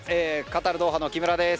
カタール・ドーハの木村です。